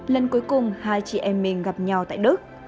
lần cuối cùng hai chị em mình gặp nhau tại đức